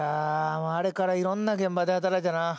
もうあれからいろんな現場で働いたな。